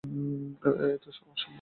এ তো অসম্ভব।